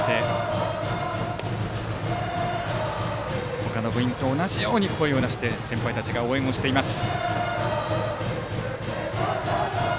他の部員と同じように声を出して先輩たちが応援しています。